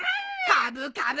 カブカブ！